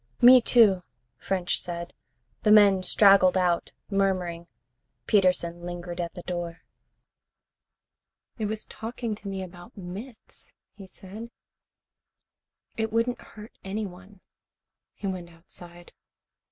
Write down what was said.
"Me, too," French said. The men straggled out, murmuring. Peterson lingered at the door. "It was talking to me about myths," he said. "It wouldn't hurt anyone." He went outside.